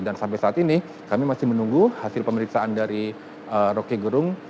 dan sampai saat ini kami masih menunggu hasil pemeriksaan dari rocky gerung